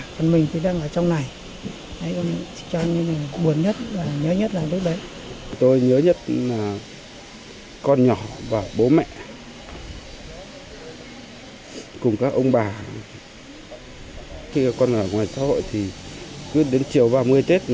khi con ở ngoài xã hội thì cứ đến chiều ba mươi tết